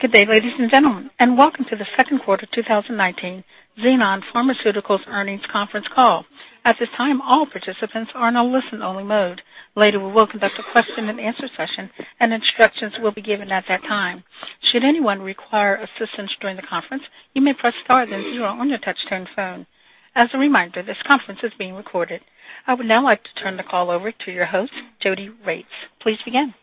Good day, ladies and gentlemen, and welcome to the second quarter 2019 Xenon Pharmaceuticals earnings conference call. At this time, all participants are in a listen only mode. Later, we will conduct a question and answer session, and instructions will be given at that time. Should anyone require assistance during the conference, you may press star then zero on your touch-tone phone. As a reminder, this conference is being recorded. I would now like to turn the call over to your host, Jody Rates. Please begin.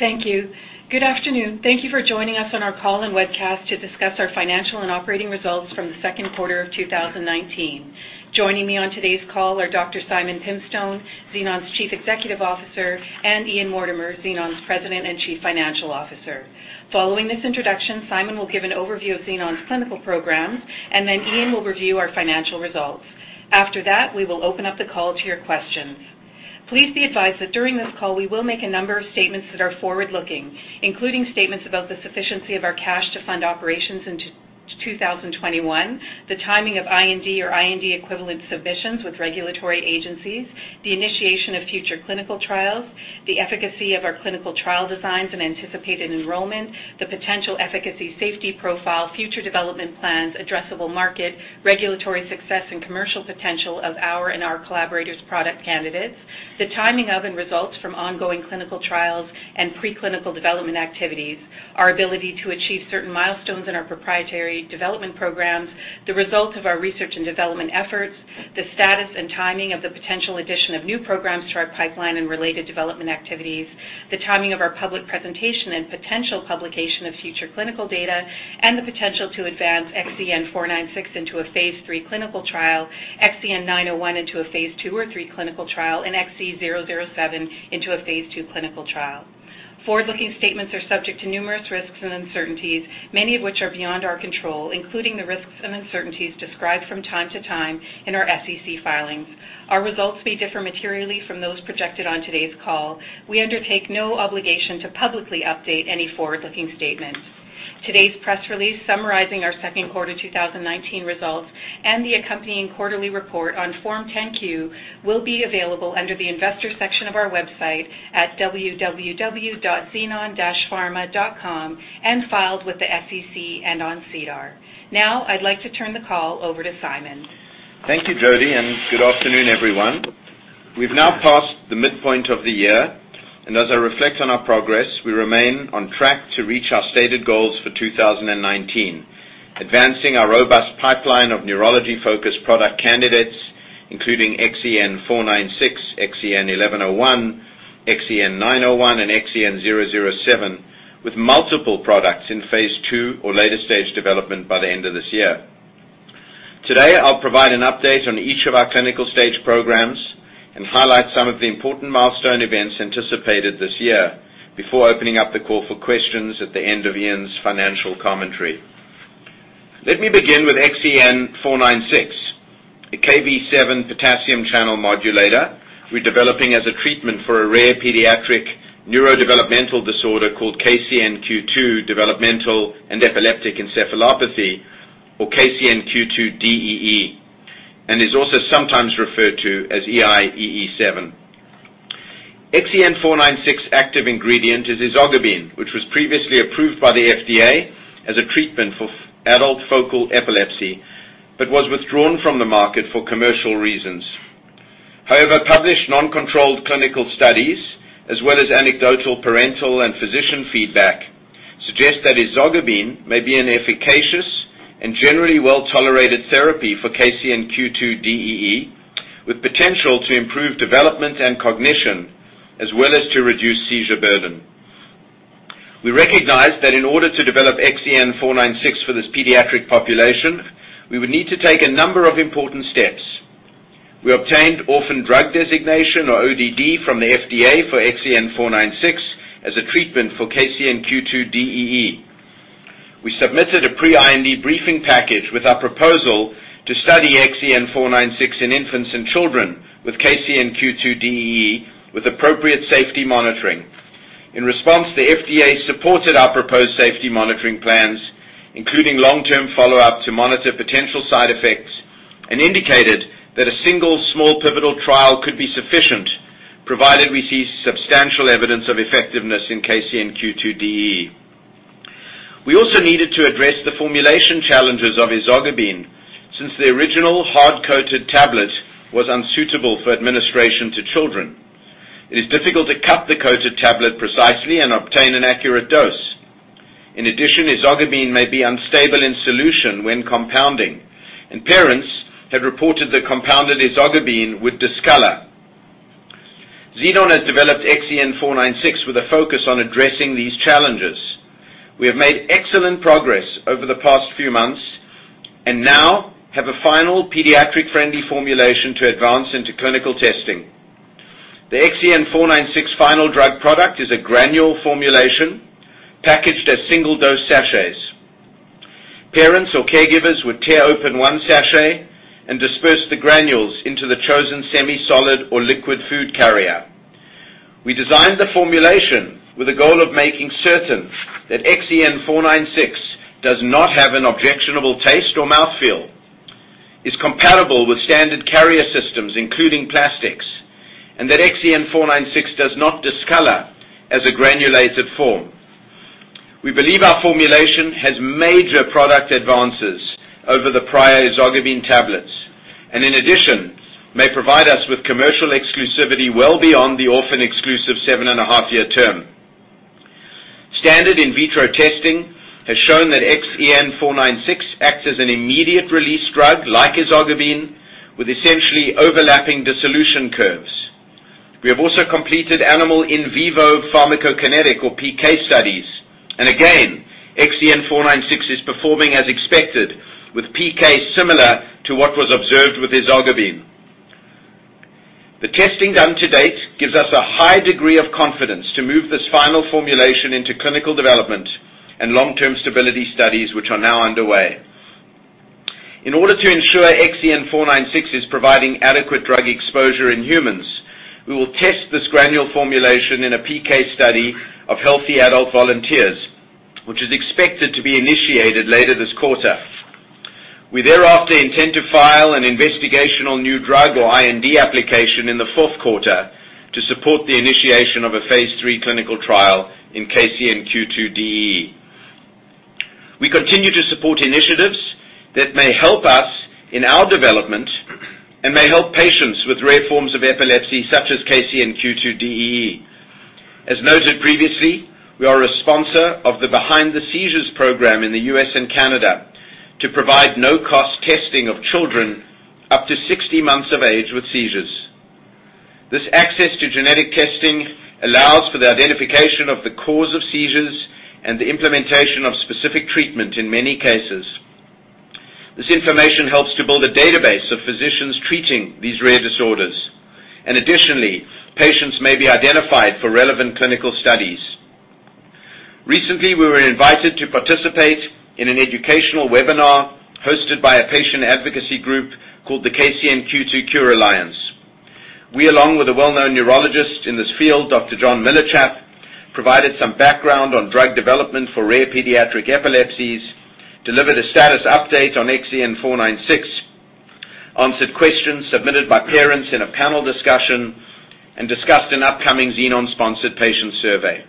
Thank you. Good afternoon. Thank you for joining us on our call and webcast to discuss our financial and operating results from the second quarter of 2019. Joining me on today's call are Dr. Simon Pimstone, Xenon's Chief Executive Officer, and Ian Mortimer, Xenon's President and Chief Financial Officer. Following this introduction, Simon will give an overview of Xenon's clinical programs, and then Ian will review our financial results. After that, we will open up the call to your questions. Please be advised that during this call, we will make a number of statements that are forward-looking, including statements about the sufficiency of our cash to fund operations into 2021, the timing of IND or IND equivalent submissions with regulatory agencies, the initiation of future clinical trials, the efficacy of our clinical trial designs and anticipated enrollment, the potential efficacy safety profile, future development plans, addressable market, regulatory success, and commercial potential of our and our collaborators product candidates. The timing of and results from ongoing clinical trials and preclinical development activities, our ability to achieve certain milestones in our proprietary development programs, the results of our research and development efforts, the status and timing of the potential addition of new programs to our pipeline and related development activities, the timing of our public presentation and potential publication of future clinical data, and the potential to advance XEN496 into a phase III clinical trial, XEN901 into a phase II or III clinical trial, and XEN007 into a phase II clinical trial. Forward-looking statements are subject to numerous risks and uncertainties, many of which are beyond our control, including the risks and uncertainties described from time to time in our SEC filings. Our results may differ materially from those projected on today's call. We undertake no obligation to publicly update any forward-looking statements. Today's press release summarizing our second quarter 2019 results and the accompanying quarterly report on Form 10-Q will be available under the investor section of our website at www.xenon-pharma.com and filed with the SEC and on SEDAR. I'd like to turn the call over to Simon. Thank you, Jody. Good afternoon, everyone. We've now passed the midpoint of the year, and as I reflect on our progress, we remain on track to reach our stated goals for 2019. Advancing our robust pipeline of neurology-focused product candidates, including XEN496, XEN1101, XEN901, and XEN007, with multiple products in phase II or later-stage development by the end of this year. Today, I'll provide an update on each of our clinical stage programs and highlight some of the important milestone events anticipated this year before opening up the call for questions at the end of Ian's financial commentary. Let me begin with XEN496, a Kv7 potassium channel modulator we're developing as a treatment for a rare pediatric neurodevelopmental disorder called KCNQ2 developmental and epileptic encephalopathy or KCNQ2-DEE, and is also sometimes referred to as EIEE7. XEN496 active ingredient is ezogabine, which was previously approved by the FDA as a treatment for adult focal epilepsy, but was withdrawn from the market for commercial reasons. However, published non-controlled clinical studies, as well as anecdotal parental and physician feedback, suggest that ezogabine may be an efficacious and generally well-tolerated therapy for KCNQ2-DEE with potential to improve development and cognition as well as to reduce seizure burden. We recognize that in order to develop XEN496 for this pediatric population, we would need to take a number of important steps. We obtained orphan drug designation or ODD from the FDA for XEN496 as a treatment for KCNQ2-DEE. We submitted a pre-IND briefing package with our proposal to study XEN496 in infants and children with KCNQ2-DEE with appropriate safety monitoring. In response, the FDA supported our proposed safety monitoring plans, including long-term follow-up to monitor potential side effects, and indicated that a single small pivotal trial could be sufficient, provided we see substantial evidence of effectiveness in KCNQ2-DEE. We also needed to address the formulation challenges of ezogabine since the original hard-coated tablet was unsuitable for administration to children. It is difficult to cut the coated tablet precisely and obtain an accurate dose. In addition, ezogabine may be unstable in solution when compounding. Parents had reported the compounded ezogabine would discolor. Xenon has developed XEN496 with a focus on addressing these challenges. We have made excellent progress over the past few months and now have a final pediatric-friendly formulation to advance into clinical testing. The XEN496 final drug product is a granule formulation packaged as single-dose sachets. Parents or caregivers would tear open one sachet and disperse the granules into the chosen semi-solid or liquid food carrier. We designed the formulation with the goal of making certain that XEN496 does not have an objectionable taste or mouthfeel is comparable with standard carrier systems, including plastics, and that XEN496 does not discolor as a granulated form. We believe our formulation has major product advances over the prior ezogabine tablets, and in addition, may provide us with commercial exclusivity well beyond the orphan exclusive seven and a half year term. Standard in vitro testing has shown that XEN496 acts as an immediate release drug like ezogabine, with essentially overlapping dissolution curves. We have also completed animal in vivo pharmacokinetic or PK studies. Again, XEN496 is performing as expected with PK similar to what was observed with ezogabine. The testing done to date gives us a high degree of confidence to move this final formulation into clinical development and long-term stability studies, which are now underway. In order to ensure XEN496 is providing adequate drug exposure in humans, we will test this granule formulation in a PK study of healthy adult volunteers, which is expected to be initiated later this quarter. We thereafter intend to file an Investigational New Drug or IND application in the fourth quarter to support the initiation of a phase III clinical trial in KCNQ2-DEE. We continue to support initiatives that may help us in our development and may help patients with rare forms of epilepsy such as KCNQ2-DEE. As noted previously, we are a sponsor of the Behind the Seizure program in the U.S. and Canada to provide no-cost testing of children up to 60 months of age with seizures. This access to genetic testing allows for the identification of the cause of seizures and the implementation of specific treatment in many cases. This information helps to build a database of physicians treating these rare disorders. Additionally, patients may be identified for relevant clinical studies. Recently, we were invited to participate in an educational webinar hosted by a patient advocacy group called the KCNQ2 Cure Alliance. We, along with a well-known neurologist in this field, Dr. John Millichap, provided some background on drug development for rare pediatric epilepsies, delivered a status update on XEN496, answered questions submitted by parents in a panel discussion, and discussed an upcoming Xenon-sponsored patient survey.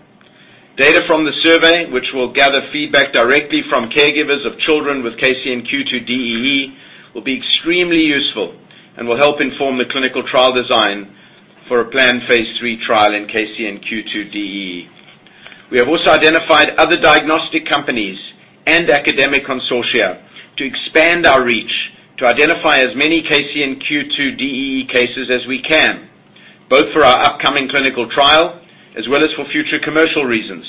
Data from the survey, which will gather feedback directly from caregivers of children with KCNQ2-DEE, will be extremely useful and will help inform the clinical trial design for a planned phase III trial in KCNQ2-DEE. We have also identified other diagnostic companies and academic consortia to expand our reach to identify as many KCNQ2-DEE cases as we can, both for our upcoming clinical trial as well as for future commercial reasons.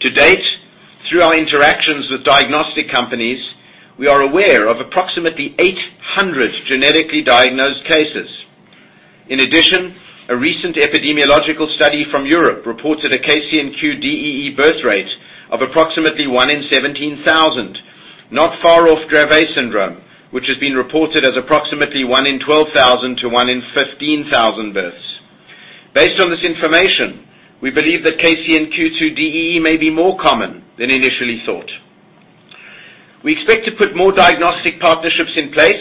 To date, through our interactions with diagnostic companies, we are aware of approximately 800 genetically diagnosed cases. In addition, a recent epidemiological study from Europe reported a KCNQ2-DEE birth rate of approximately 1 in 17,000, not far off Dravet syndrome, which has been reported as approximately 1 in 12,000 to 1 in 15,000 births. Based on this information, we believe that KCNQ2-DEE may be more common than initially thought. We expect to put more diagnostic partnerships in place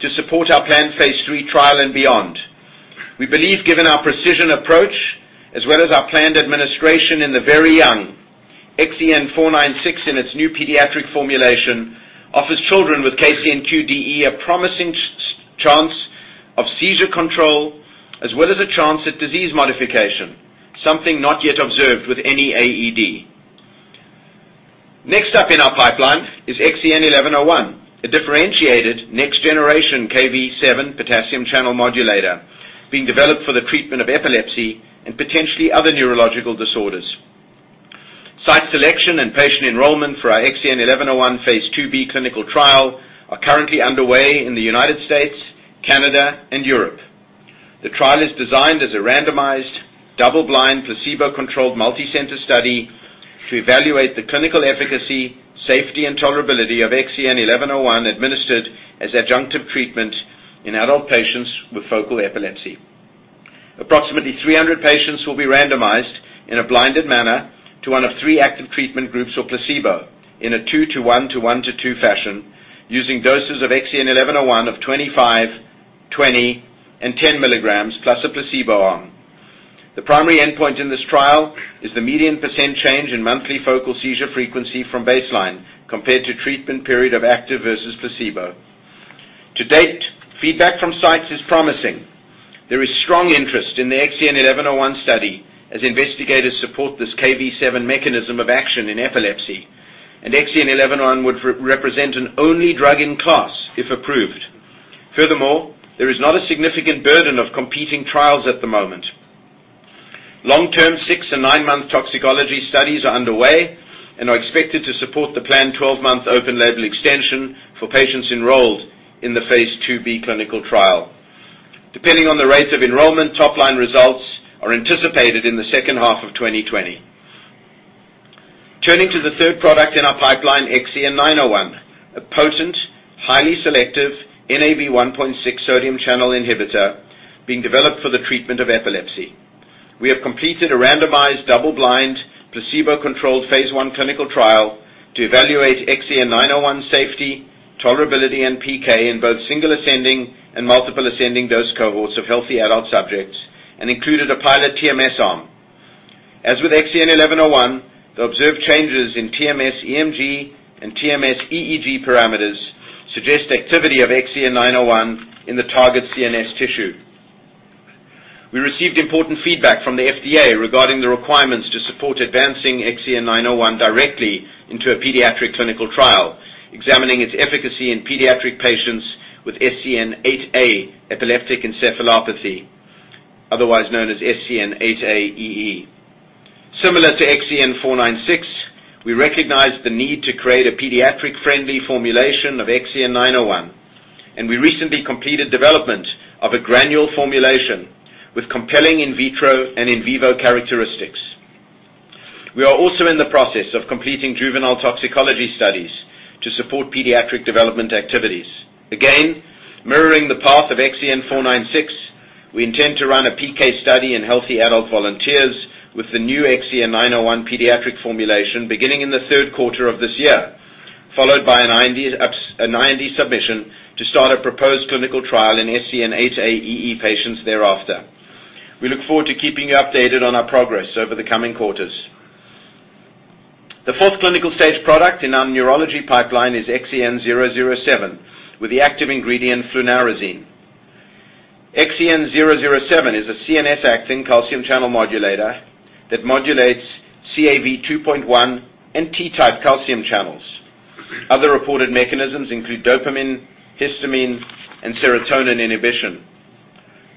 to support our planned phase III trial and beyond. We believe given our precision approach as well as our planned administration in the very young, XEN496 in its new pediatric formulation offers children with KCNQ2-DEE a promising chance of seizure control as well as a chance at disease modification, something not yet observed with any AED. Next up in our pipeline is XEN1101, a differentiated next generation Kv7 potassium channel modulator being developed for the treatment of epilepsy and potentially other neurological disorders. Site selection and patient enrollment for our XEN1101 phase II-B clinical trial are currently underway in the United States, Canada, and Europe. The trial is designed as a randomized, double-blind, placebo-controlled, multicenter study to evaluate the clinical efficacy, safety, and tolerability of XEN1101 administered as adjunctive treatment in adult patients with focal epilepsy. Approximately 300 patients will be randomized in a blinded manner to one of three active treatment groups or placebo in a 2 to 1 to 1 to 2 fashion using doses of XEN1101 of 25, 20, and 10 milligrams plus a placebo arm. The primary endpoint in this trial is the median % change in monthly focal seizure frequency from baseline compared to treatment period of active versus placebo. To date, feedback from sites is promising. There is strong interest in the XEN1101 study as investigators support this Kv7 mechanism of action in epilepsy, and XEN1101 would represent an only drug in class if approved. Furthermore, there is not a significant burden of competing trials at the moment. Long-term 6 and 9-month toxicology studies are underway and are expected to support the planned 12-month open label extension for patients enrolled in the phase II-B clinical trial. Depending on the rate of enrollment, top-line results are anticipated in the second half of 2020. Turning to the third product in our pipeline, XEN901, a potent, highly selective Nav1.6 sodium channel inhibitor being developed for the treatment of epilepsy. We have completed a randomized double-blind placebo-controlled phase I clinical trial to evaluate XEN901 safety, tolerability, and PK in both single ascending and multiple ascending dose cohorts of healthy adult subjects and included a pilot TMS arm. As with XEN1101, the observed changes in TMS, EMG, and TMS EEG parameters suggest activity of XEN901 in the target CNS tissue. We received important feedback from the FDA regarding the requirements to support advancing XEN901 directly into a pediatric clinical trial, examining its efficacy in pediatric patients with SCN8A epileptic encephalopathy, otherwise known as SCN8A-DEE. Similar to XEN496, we recognize the need to create a pediatric-friendly formulation of XEN901, and we recently completed development of a granule formulation with compelling in vitro and in vivo characteristics. We are also in the process of completing juvenile toxicology studies to support pediatric development activities. Again, mirroring the path of XEN496, we intend to run a PK study in healthy adult volunteers with the new XEN901 pediatric formulation beginning in the third quarter of this year, followed by an IND submission to start a proposed clinical trial in SCN8A-DEE patients thereafter. We look forward to keeping you updated on our progress over the coming quarters. The 4th clinical stage product in our neurology pipeline is XEN007 with the active ingredient flunarizine. XEN007 is a CNS-acting calcium channel modulator that modulates CaV2.1 and T-type calcium channels. Other reported mechanisms include dopamine, histamine, and serotonin inhibition.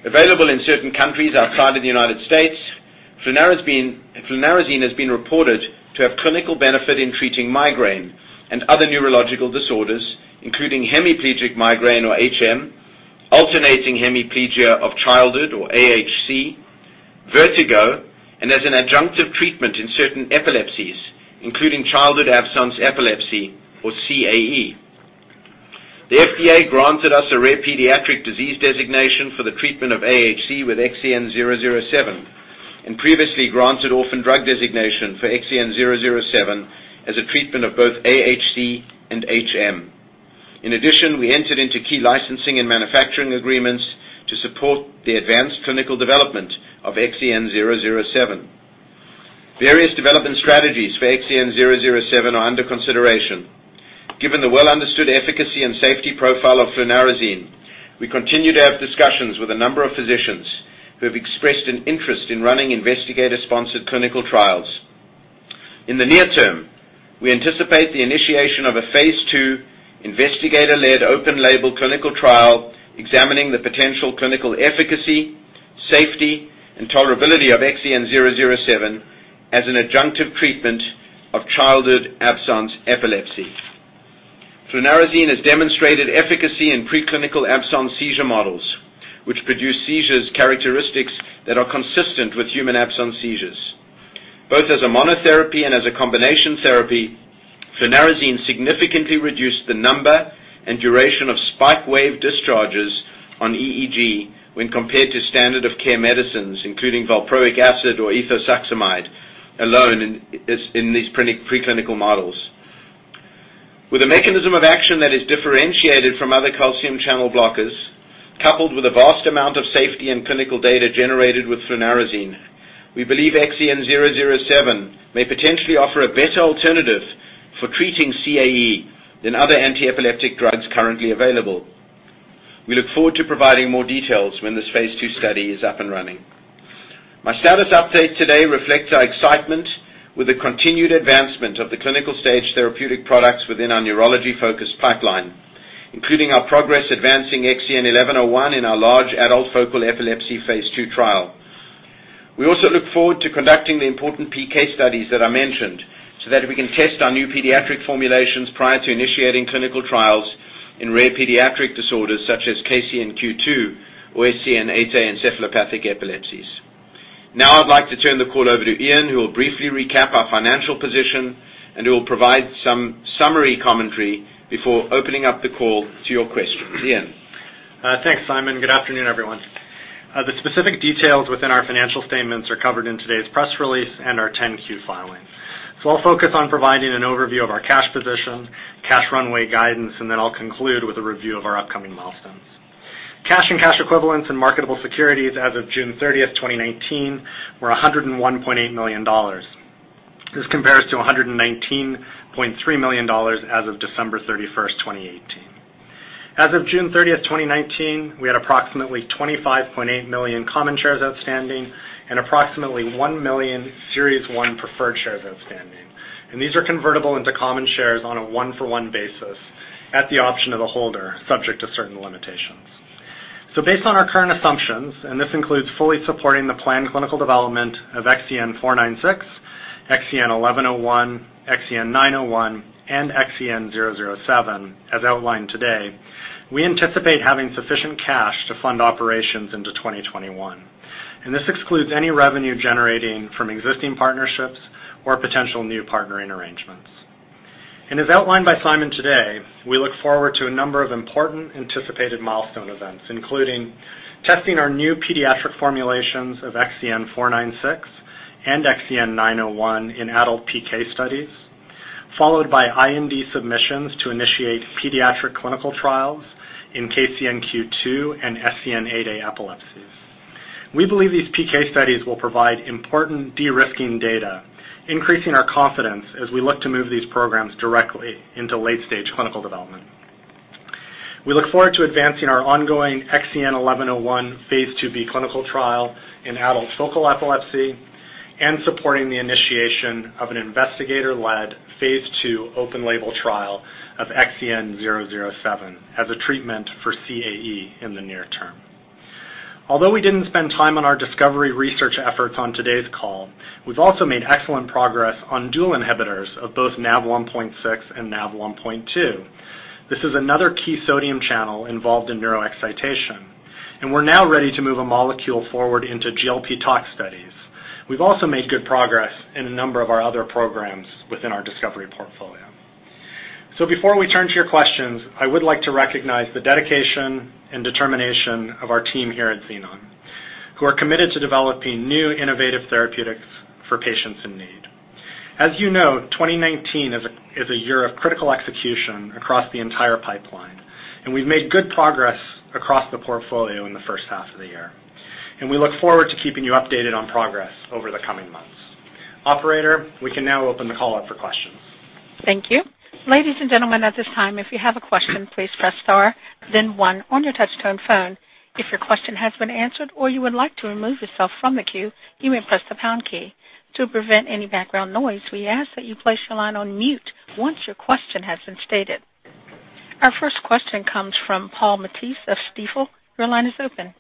Available in certain countries outside of the United States, flunarizine has been reported to have clinical benefit in treating migraine and other neurological disorders, including hemiplegic migraine or HM, alternating hemiplegia of childhood or AHC, vertigo, and as an adjunctive treatment in certain epilepsies, including childhood absence epilepsy or CAE. The FDA granted us a rare pediatric disease designation for the treatment of AHC with XEN007 and previously granted orphan drug designation for XEN007 as a treatment of both AHC and HM. In addition, we entered into key licensing and manufacturing agreements to support the advanced clinical development of XEN007. Various development strategies for XEN007 are under consideration. Given the well-understood efficacy and safety profile of flunarizine, we continue to have discussions with a number of physicians who have expressed an interest in running investigator-sponsored clinical trials. In the near term, we anticipate the initiation of a phase II investigator-led open label clinical trial examining the potential clinical efficacy, safety, and tolerability of XEN007 as an adjunctive treatment of childhood absence epilepsy. Flunarizine has demonstrated efficacy in preclinical absence seizure models, which produce seizures characteristics that are consistent with human absence seizures. Both as a monotherapy and as a combination therapy, flunarizine significantly reduced the number and duration of spike wave discharges on EEG when compared to standard of care medicines, including valproic acid or ethosuximide alone in these preclinical models. With a mechanism of action that is differentiated from other calcium channel blockers, coupled with a vast amount of safety and clinical data generated with flunarizine, we believe XEN007 may potentially offer a better alternative for treating CAE than other antiepileptic drugs currently available. We look forward to providing more details when this phase II study is up and running. My status update today reflects our excitement with the continued advancement of the clinical stage therapeutic products within our neurology-focused pipeline, including our progress advancing XEN1101 in our large adult focal epilepsy phase II trial. We also look forward to conducting the important PK studies that I mentioned so that we can test our new pediatric formulations prior to initiating clinical trials in rare pediatric disorders such as KCNQ2 or SCN8A encephalopathic epilepsies. Now I'd like to turn the call over to Ian, who will briefly recap our financial position and who will provide some summary commentary before opening up the call to your questions. Ian? Thanks, Simon. Good afternoon, everyone. The specific details within our financial statements are covered in today's press release and our 10-Q filing. I'll focus on providing an overview of our cash position, cash runway guidance, and then I'll conclude with a review of our upcoming milestones. Cash and cash equivalents in marketable securities as of June 30th, 2019 were $101.8 million. This compares to $119.3 million as of December 31st, 2018. As of June 30th, 2019, we had approximately 25.8 million common shares outstanding and approximately 1 million Series 1 Preferred Shares outstanding. These are convertible into common shares on a one-for-one basis at the option of a holder, subject to certain limitations. Based on our current assumptions, and this includes fully supporting the planned clinical development of XEN496, XEN1101, XEN901, and XEN007 as outlined today, we anticipate having sufficient cash to fund operations into 2021. This excludes any revenue generating from existing partnerships or potential new partnering arrangements. As outlined by Simon today, we look forward to a number of important anticipated milestone events, including testing our new pediatric formulations of XEN496 and XEN901 in adult PK studies, followed by IND submissions to initiate pediatric clinical trials in KCNQ2 and SCN8A epilepsies. We believe these PK studies will provide important de-risking data, increasing our confidence as we look to move these programs directly into late-stage clinical development. We look forward to advancing our ongoing XEN1101 Phase II-B clinical trial in adult focal epilepsy and supporting the initiation of an investigator-led Phase II open-label trial of XEN007 as a treatment for CAE in the near term. Although we didn't spend time on our discovery research efforts on today's call, we've also made excellent progress on dual inhibitors of both Nav1.6 and Nav1.2. This is another key sodium channel involved in neural excitation, and we're now ready to move a molecule forward into GLP tox studies. We've also made good progress in a number of our other programs within our discovery portfolio. Before we turn to your questions, I would like to recognize the dedication and determination of our team here at Xenon, who are committed to developing new innovative therapeutics for patients in need. As you know, 2019 is a year of critical execution across the entire pipeline, and we've made good progress across the portfolio in the first half of the year. We look forward to keeping you updated on progress over the coming months. Operator, we can now open the call up for questions. Thank you. Ladies and gentlemen, at this time, if you have a question, please press star then one on your touch-tone phone. If your question has been answered or you would like to remove yourself from the queue, you may press the pound key. To prevent any background noise, we ask that you place your line on mute once your question has been stated. Our first question comes from Paul Matteis of Stifel. Your line is open.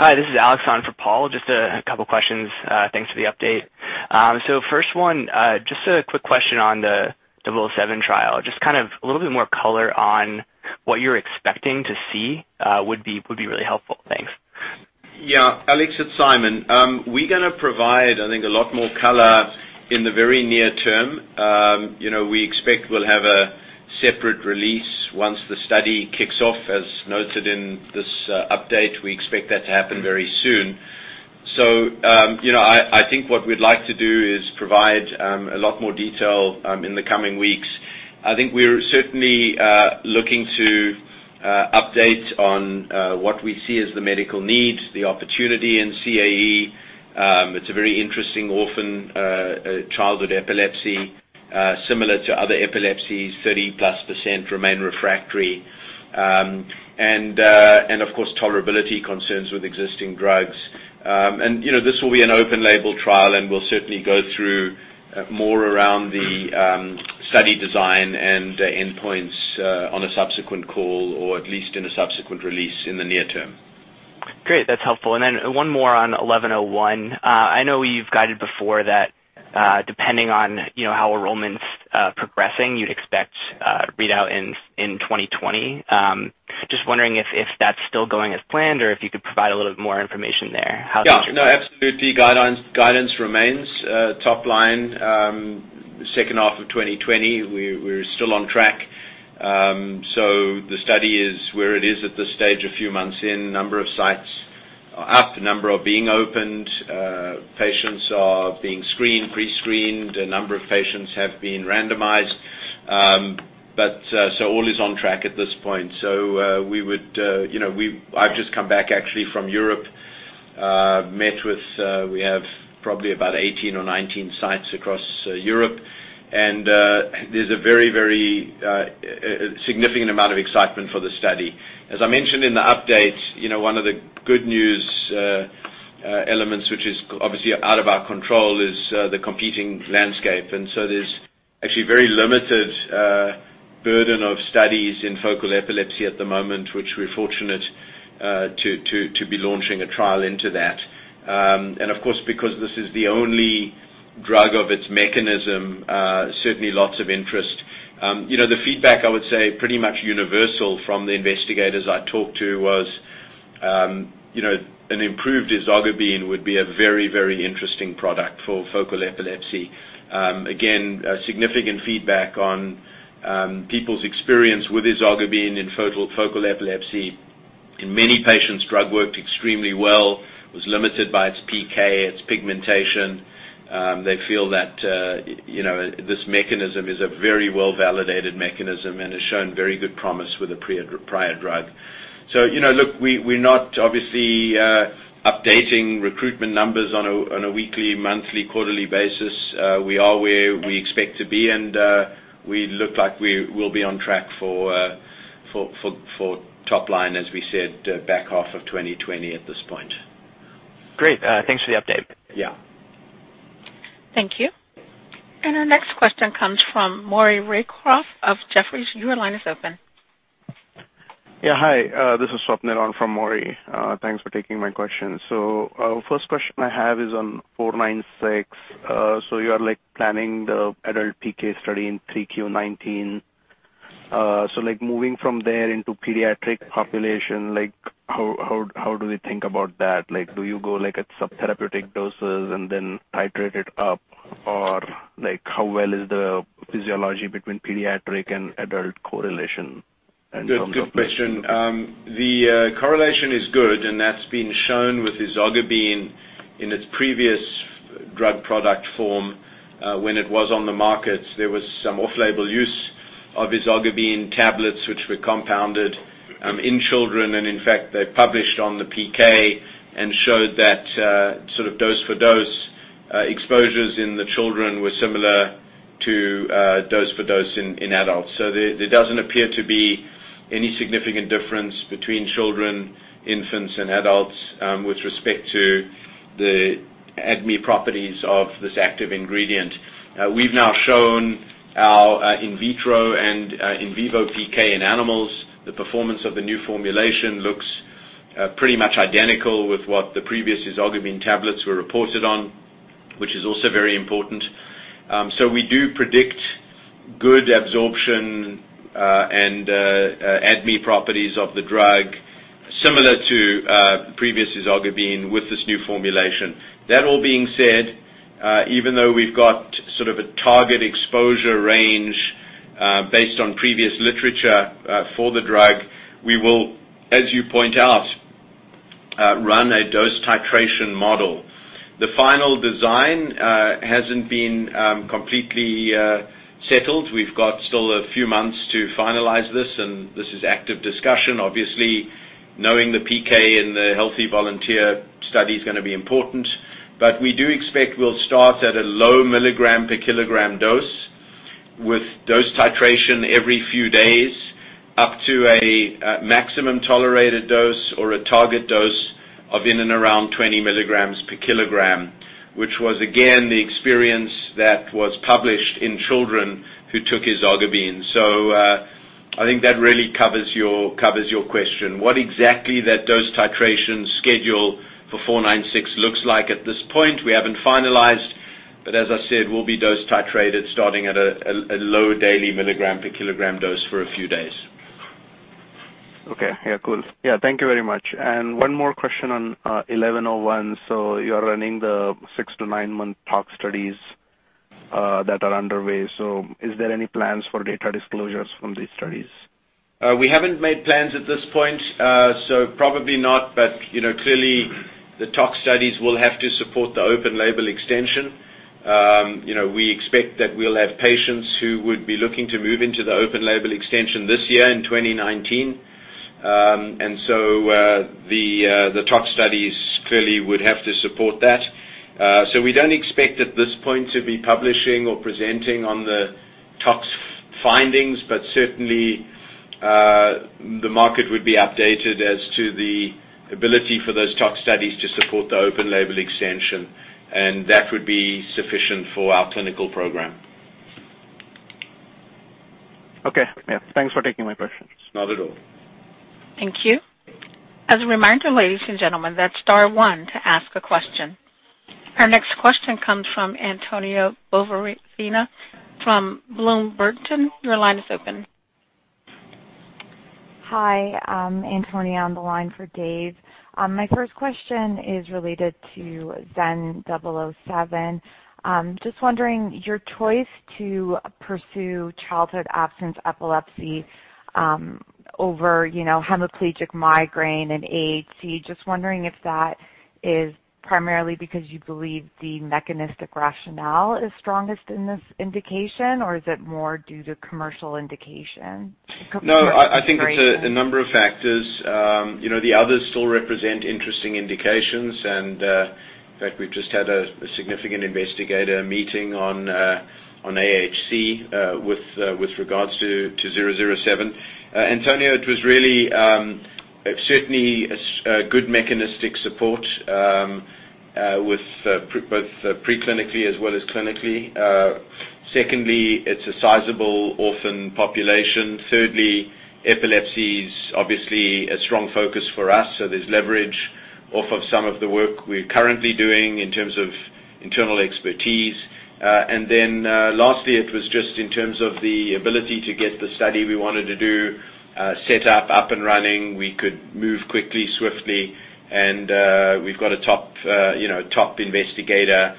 Hi, this is Alex on for Paul. Just a couple of questions. Thanks for the update. First one, just a quick question on the 007 trial. Just a little bit more color on what you're expecting to see would be really helpful. Thanks. Yeah. Alex, it's Simon. We're going to provide, I think, a lot more color in the very near term. We expect we'll have a separate release once the study kicks off. As noted in this update, we expect that to happen very soon. I think what we'd like to do is provide a lot more detail in the coming weeks. I think we're certainly looking to update on what we see as the medical need, the opportunity in CAE. It's a very interesting orphan childhood epilepsy. Similar to other epilepsies, 30%+ remain refractory. Of course, tolerability concerns with existing drugs. This will be an open label trial, and we'll certainly go through more around the study design and endpoints on a subsequent call, or at least in a subsequent release in the near term. Great. That's helpful. One more on XEN1101. I know you've guided before that depending on how enrollment's progressing, you'd expect readout in 2020. Just wondering if that's still going as planned or if you could provide a little bit more information there. How's the situation? Yeah. No, absolutely. Guidance remains top line second half of 2020. We're still on track. The study is where it is at this stage, a few months in. Number of sites are up. A number are being opened. Patients are being screened, pre-screened. A number of patients have been randomized. All is on track at this point. I've just come back actually from Europe. We have probably about 18 or 19 sites across Europe. There's a very significant amount of excitement for the study. As I mentioned in the update, one of the good news elements, which is obviously out of our control, is the competing landscape. There's actually very limited burden of studies in focal epilepsy at the moment, which we're fortunate to be launching a trial into that. Of course, because this is the only drug of its mechanism, certainly lots of interest. The feedback, I would say, pretty much universal from the investigators I talked to was an improved ezogabine would be a very interesting product for focal epilepsy. Again, a significant feedback on people's experience with ezogabine in focal epilepsy. In many patients, drug worked extremely well. Was limited by its PK, its pigmentation. They feel that this mechanism is a very well-validated mechanism and has shown very good promise with a prior drug. Look, we're not obviously updating recruitment numbers on a weekly, monthly, quarterly basis. We are where we expect to be, and we look like we will be on track for top line, as we said, back half of 2020 at this point. Great. Thanks for the update. Yeah. Thank you. Our next question comes from Maury Raycroft of Jefferies. Your line is open. Yeah. Hi. This is Swapnil on from Maury. Thanks for taking my question. First question I have is on 496. You are planning the adult PK study in 3Q 2019. Moving from there into pediatric population, how do we think about that? Do you go at subtherapeutic doses and then titrate it up? Or how well is the physiology between pediatric and adult correlation? Good question. The correlation is good, and that's been shown with ezogabine in its previous drug product form. When it was on the market, there was some off-label use of ezogabine tablets, which were compounded in children. In fact, they published on the PK and showed that sort of dose for dose exposures in the children were similar to dose for dose in adults. There doesn't appear to be any significant difference between children, infants, and adults with respect to the ADME properties of this active ingredient. We've now shown our in vitro and in vivo PK in animals. The performance of the new formulation looks pretty much identical with what the previous ezogabine tablets were reported on, which is also very important. We do predict good absorption and ADME properties of the drug similar to previous ezogabine with this new formulation. That all being said, even though we've got sort of a target exposure range based on previous literature for the drug, we will, as you point out, run a dose titration model. The final design hasn't been completely settled. We've got still a few months to finalize this. This is active discussion. Obviously, knowing the PK and the healthy volunteer study is going to be important. We do expect we'll start at a low milligram per kilogram dose with dose titration every few days, up to a maximum tolerated dose or a target dose of in and around 20 milligrams per kilogram, which was, again, the experience that was published in children who took ezogabine. I think that really covers your question. What exactly that dose titration schedule for 496 looks like at this point, we haven't finalized, but as I said, will be dose titrated starting at a low daily milligram per kilogram dose for a few days. Okay. Yeah, cool. Thank you very much. One more question on XEN1101. You're running the six-to-nine-month tox studies that are underway. Is there any plans for data disclosures from these studies? We haven't made plans at this point, so probably not. Clearly, the tox studies will have to support the open label extension. We expect that we'll have patients who would be looking to move into the open label extension this year in 2019. The tox studies clearly would have to support that. We don't expect at this point to be publishing or presenting on the tox findings, but certainly, the market would be updated as to the ability for those tox studies to support the open label extension, and that would be sufficient for our clinical program. Okay. Yeah. Thanks for taking my question. Not at all. Thank you. As a reminder, ladies and gentlemen, that is star one to ask a question. Our next question comes from Antonia Borovina from Bloom Burton Your line is open. Hi. Antonia on the line for Dave. My first question is related to XEN007. Just wondering, your choice to pursue childhood absence epilepsy over hemiplegic migraine and AHC. Just wondering if that is primarily because you believe the mechanistic rationale is strongest in this indication, or is it more due to commercial indication? I think it's a number of factors. The others still represent interesting indications, and, in fact, we've just had a significant investigator meeting on AHC with regards to XEN007. Antonia, it was really certainly a good mechanistic support both pre-clinically as well as clinically. Secondly, it's a sizable orphan population. Thirdly, epilepsy is obviously a strong focus for us, so there's leverage off of some of the work we're currently doing in terms of internal expertise. Lastly, it was just in terms of the ability to get the study we wanted to do set up and running. We could move quickly, swiftly, and we've got a top investigator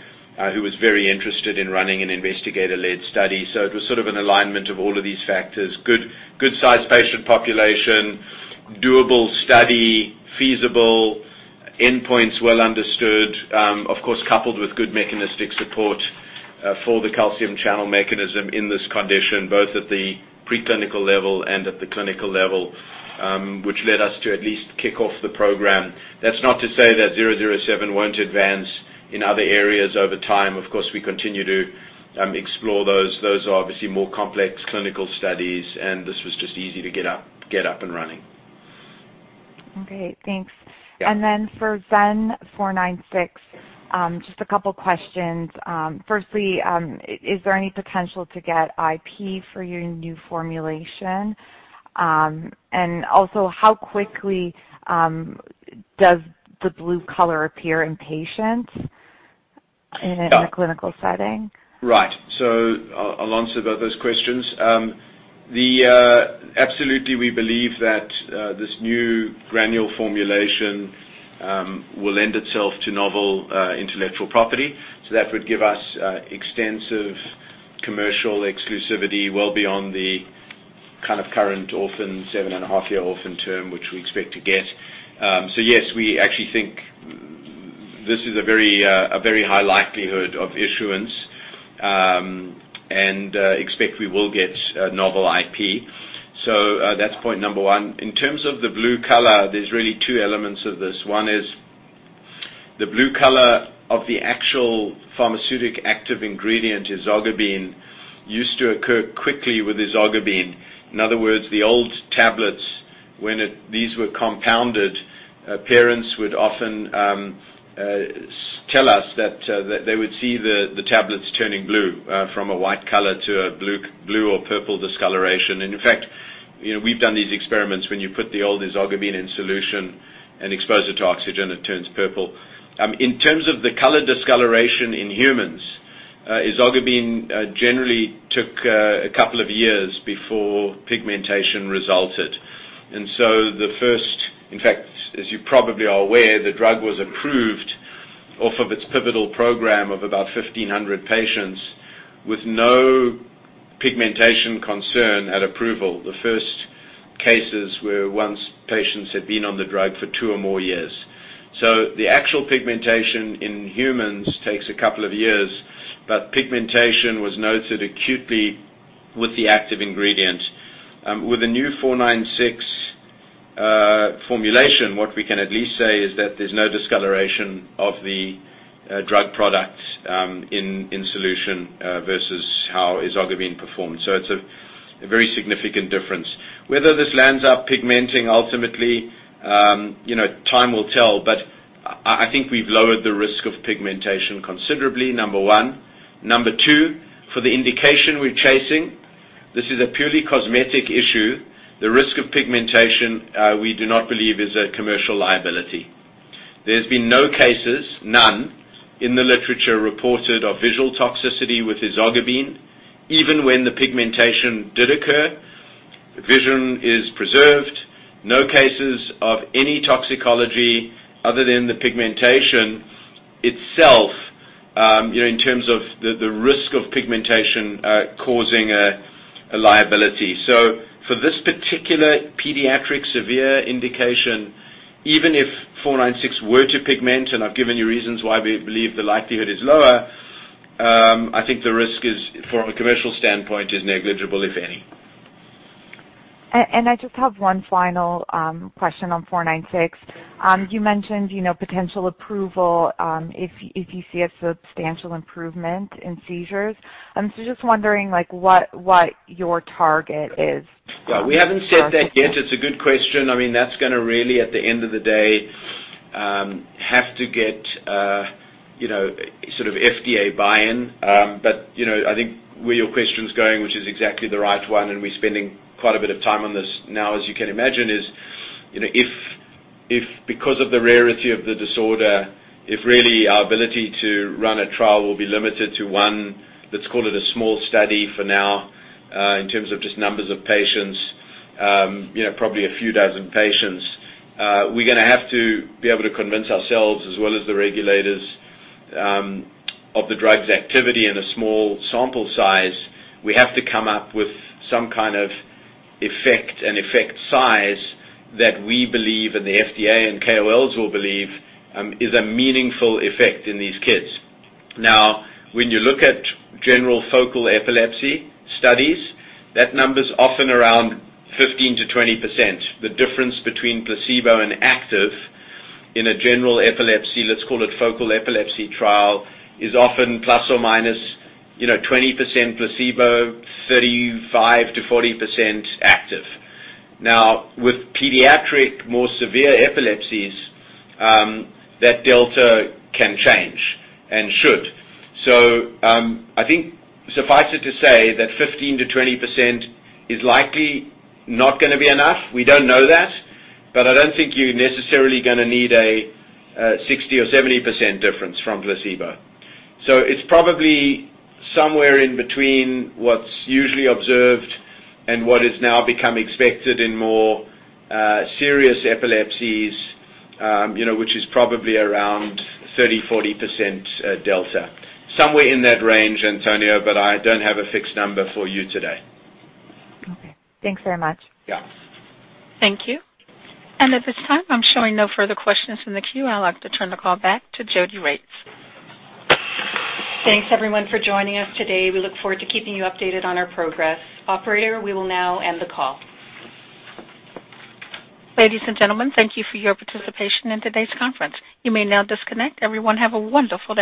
who was very interested in running an investigator-led study. It was sort of an alignment of all of these factors. Good size patient population, doable study, feasible endpoints, well understood, of course, coupled with good mechanistic support for the calcium channel mechanism in this condition, both at the preclinical level and at the clinical level, which led us to at least kick off the program. That's not to say that 007 won't advance in other areas over time. Of course, we continue to explore those. Those are obviously more complex clinical studies, and this was just easy to get up and running. Okay, thanks. Yeah. For XEN496, just a couple questions. Firstly, is there any potential to get IP for your new formulation? Also, how quickly does the blue color appear in patients? In a clinical setting? Right. I'll answer both those questions. Absolutely, we believe that this new granule formulation will lend itself to novel intellectual property. That would give us extensive commercial exclusivity well beyond the current orphan, seven-and-a-half year orphan term, which we expect to get. Yes, we actually think this is a very high likelihood of issuance, and expect we will get a novel IP. That's point number 1. In terms of the blue color, there's really two elements of this. One is the blue color of the actual pharmaceutic active ingredient, ezogabine, used to occur quickly with ezogabine. In other words, the old tablets, when these were compounded, parents would often tell us that they would see the tablets turning blue, from a white color to a blue or purple discoloration. In fact, we've done these experiments when you put the old ezogabine in solution and expose it to oxygen, it turns purple. In terms of the color discoloration in humans, ezogabine generally took a couple of years before pigmentation resulted. The first, in fact, as you probably are aware, the drug was approved off of its pivotal program of about 1,500 patients with no pigmentation concern at approval. The first cases were once patients had been on the drug for two or more years. The actual pigmentation in humans takes a couple of years, but pigmentation was noted acutely with the active ingredient. With the new XEN496 formulation, what we can at least say is that there's no discoloration of the drug product in solution versus how ezogabine performed. It's a very significant difference. Whether this lands up pigmenting ultimately, time will tell, but I think we've lowered the risk of pigmentation considerably, number one. Number two, for the indication we're chasing, this is a purely cosmetic issue. The risk of pigmentation, we do not believe is a commercial liability. There's been no cases, none, in the literature reported of visual toxicity with ezogabine. Even when the pigmentation did occur, vision is preserved. No cases of any toxicology other than the pigmentation itself, in terms of the risk of pigmentation causing a liability. For this particular pediatric severe indication, even if four nine six were to pigment, and I've given you reasons why we believe the likelihood is lower, I think the risk is, from a commercial standpoint, is negligible if any. I just have one final question on XEN496. You mentioned potential approval if you see a substantial improvement in seizures. Just wondering what your target is. Well, we haven't said that yet. It's a good question. That's going to really, at the end of the day, have to get sort of FDA buy-in. I think where your question's going, which is exactly the right one, and we're spending quite a bit of time on this now as you can imagine, is if because of the rarity of the disorder, if really our ability to run a trial will be limited to one. Let's call it a small study for now, in terms of just numbers of patients, probably a few dozen patients. We're going to have to be able to convince ourselves as well as the regulators of the drug's activity in a small sample size. We have to come up with some kind of effect and effect size that we believe and the FDA and KOLs will believe is a meaningful effect in these kids. When you look at general focal epilepsy studies, that number's often around 15%-20%. The difference between placebo and active in a general epilepsy, let's call it focal epilepsy trial, is often plus or minus 20% placebo, 35%-40% active. With pediatric, more severe epilepsies, that delta can change and should. I think suffice it to say that 15%-20% is likely not going to be enough. We don't know that, but I don't think you're necessarily going to need a 60% or 70% difference from placebo. It's probably somewhere in between what's usually observed and what has now become expected in more serious epilepsies, which is probably around 30%-40% delta. Somewhere in that range, Antonia, but I don't have a fixed number for you today. Okay. Thanks very much. Yeah. Thank you. At this time, I'm showing no further questions in the queue. I'd like to turn the call back to Jody Rates. Thanks everyone for joining us today. We look forward to keeping you updated on our progress. Operator, we will now end the call. Ladies and gentlemen, thank you for your participation in today's conference. You may now disconnect. Everyone have a wonderful day.